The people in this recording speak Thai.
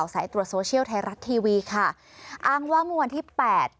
สายตรวจโซเชียลไทยรัฐทีวีค่ะอ้างว่าเมื่อวันที่แปด